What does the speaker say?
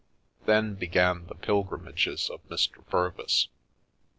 Then began the pilgrimages of Mr. Purvis.